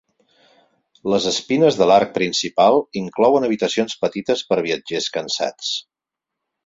Les espines de l'arc principal inclouen habitacions petites per a viatgers cansats.